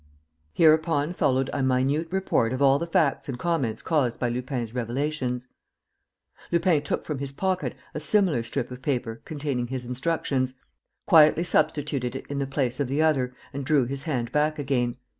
Hereupon followed a minute report of all the facts and comments caused by Lupin's revelations. Lupin took from his pocket a similar strip of paper containing his instructions, quietly substituted it in the place of the other and drew his hand back again.